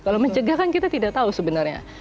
kalau mencegah kan kita tidak tahu sebenarnya